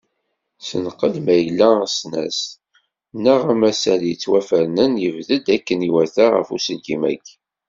Senqed ma yella asnas neɣ amasal yettwafernen yebded akken iwata ɣef uselkim-agi.